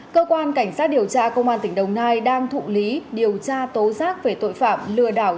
cơ quan cảnh sát điều tra công an tỉnh đồng nai đang thụ lý điều tra tố giác về tội phạm lừa đảo